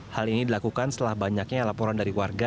hal ini dilakukan setelah banyaknya laporan dari warga